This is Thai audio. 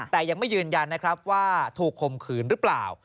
แต่ยังไม่ยืนยันนะครับว่าถูกคมขืนหรือเปล่า